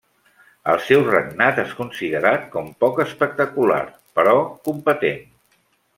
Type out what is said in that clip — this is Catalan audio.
El seu regnat és considerat com poc espectacular, però competent.